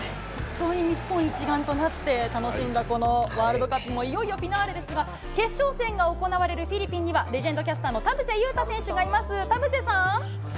日本一丸となって楽しんだ、このワールドカップもいよいよフィナーレですが、決勝戦が行われるフィリピンにはレジェンドキャスター・田臥勇太さんがいます。